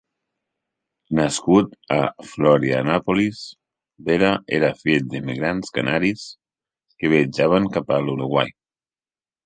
Nascut a Florianópolis, Vera era fill d'immigrants canaris que viatjaven cap a l'Uruguai.